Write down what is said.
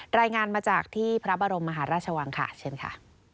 รายงานมาจากที่พระบรมมหาราชวังค่ะเชิญค่ะ